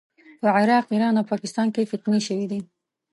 په عراق، ایران او پاکستان کې فتنې شوې دي.